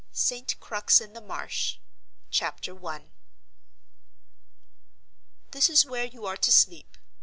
ST. CRUX IN THE MARSH. CHAPTER I. "This is where you are to sleep.